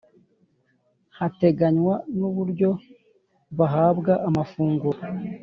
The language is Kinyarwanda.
hateganywa nuburyo bahabwa amafunguro